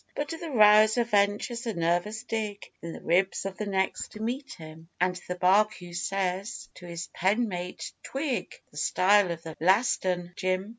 But the rouser ventures a nervous dig In the ribs of the next to him; And Barcoo says to his pen mate: 'Twig The style of the last un, Jim.